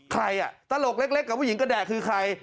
ใครอ่ะตลกเล็กกับผู้หญิงกระแดกคือใคร